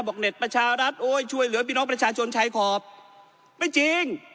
เน็ตประชารัฐโอ้ยช่วยเหลือพี่น้องประชาชนชายขอบไม่จริง